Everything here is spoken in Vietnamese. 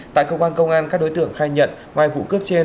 tại cơ quan công an các đối tượng khai nhận ngoài vụ cướp trên